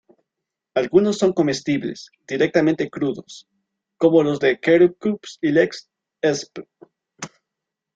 Algunos son comestibles directamente crudos, como los de "Quercus ilex ssp.